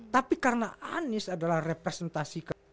tapi karena anies adalah representasikan